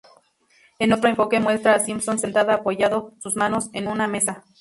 En otro enfoque muestra a Simpson sentada apoyado sus manos en una mesa.